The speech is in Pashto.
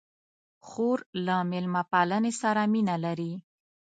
خور له میلمه پالنې سره مینه لري.